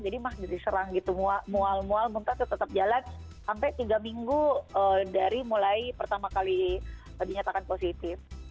jadi mah diserang gitu mual mual muntah tetap jalan sampai tiga minggu dari mulai pertama kali dinyatakan positif